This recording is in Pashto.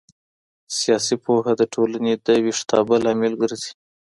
سياسي پوهه د ټولني د ويښتابه لامل ګرځي.